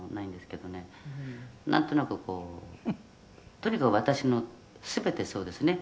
「なんとなくこうとにかく私の全てそうですね」